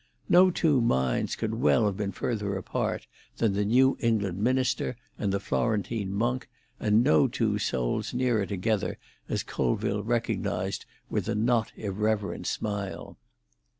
No two minds could well have been further apart than the New England minister and the Florentine monk, and no two souls nearer together, as Colville recognised with a not irreverent smile.